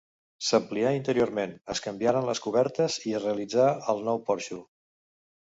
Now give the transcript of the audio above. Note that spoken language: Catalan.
S'amplià interiorment, es canviaren les cobertes i es realitzà el nou porxo.